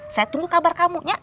saya tunggu kabar kamu